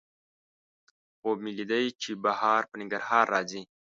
خوب مې لیدلی چې بهار په ننګرهار راځي